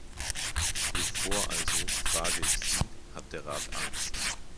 Wovor also, frage ich Sie, hat der Rat Angst?